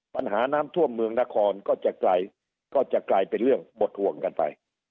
ปัญหาน้ำท่วมเมืองนครก็จะไกลก็จะกลายเป็นเรื่องบดห่วงกันไป